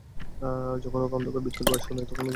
যখন ওকে অন্ধকার বৃত্তের ভয় শুনাই, তখনি ঘুমিয়ে যায়।